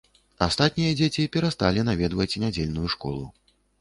Астатнія дзеці перасталі наведваць нядзельную школу.